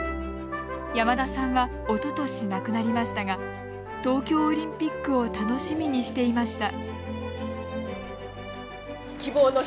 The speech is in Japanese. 山田さんはおととし亡くなりましたが東京オリンピックを楽しみにしていました。